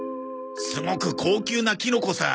すごく高級なキノコさ。